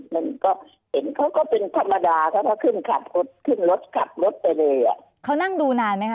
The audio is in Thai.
มันก็เห็นเขาก็เป็นธรรมดาถ้าเขาขึ้นขับรถขึ้นรถขับรถไปเลยอ่ะเขานั่งดูนานไหมคะ